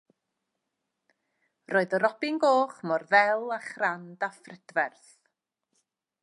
Roedd y robin goch mor ddel a chrand a phrydferth.